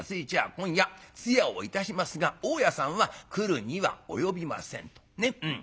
今夜通夜をいたしますが大家さんは来るには及びません』と。ね？